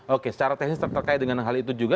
oke secara teknis terkait dengan hal itu juga